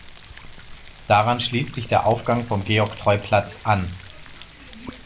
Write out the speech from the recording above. Daran schließt sich der Aufgang vom Georg-Treu-Platz an.